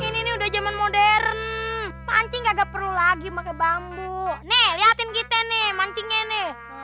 ini nih udah jaman modern pancing kagak perlu lagi pakai bambu nih liatin kita nih mancingnya nih